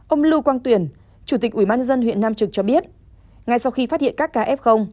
ông lưu quang tuyển chủ tịch ủy ban dân huyện nam trực cho biết ngay sau khi phát hiện các kf